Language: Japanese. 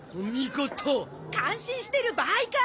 感心してる場合か！